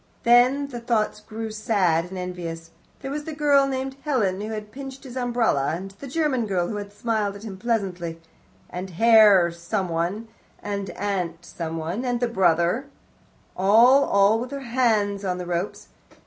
Then the thoughts grew sad and envious. There was the girl named Helen, who had pinched his umbrella, and the German girl who had smiled at him pleasantly, and Herr someone, and Aunt someone, and the brother all, all with their hands on the ropes.